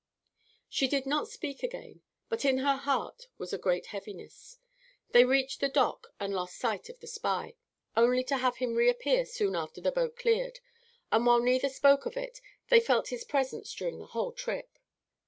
She did not speak again, but in her heart was a great heaviness. They reached the dock and lost sight of the spy, only to have him reappear soon after the boat cleared, and while neither spoke of it, they felt his presence during the whole trip.